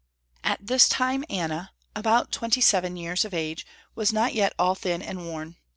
At this time Anna, about twenty seven years of age, was not yet all thin and worn.